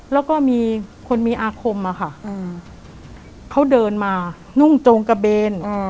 แล้วเค้าเดินมางุ้งโจงกระเบน